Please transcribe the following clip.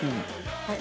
はい。